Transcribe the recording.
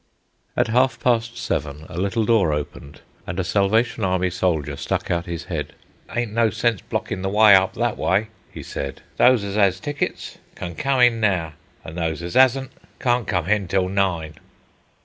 At half past seven a little door opened, and a Salvation Army soldier stuck out his head. "Ayn't no sense blockin' the wy up that wy," he said. "Those as 'as tickets cawn come hin now, an' those as 'asn't cawn't come hin till nine."